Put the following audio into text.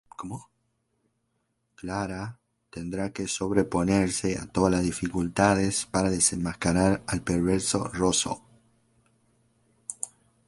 Clara tendrá que sobreponerse a todas las dificultades para desenmascarar al perverso Roso.